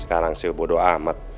sekarang saya bodoh amat